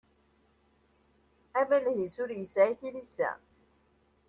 Amaleh-is ur yesɛi tilisa.